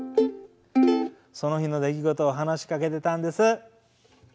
その日の出来事を話しかけてたんです。